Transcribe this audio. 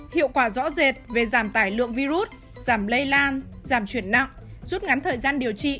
hiệu quả rõ rệt về giảm tải lượng virus giảm lây lan giảm chuyển nặng rút ngắn thời gian điều trị